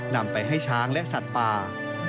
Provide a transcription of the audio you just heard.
นำไปให้ช้างและสัตว์ป่า